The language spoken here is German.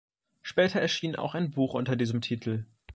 Später erschien auch ein Buch unter diesem Titel.